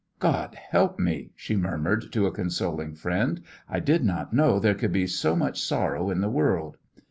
"God help me!" she murmured to a consoling friend. "I did not know there could be so much sorrow in the world."